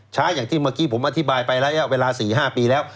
อย่างที่เมื่อกี้ผมอธิบายไประยะเวลา๔๕ปีแล้ว